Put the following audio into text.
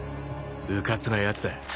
うかつなやつだ］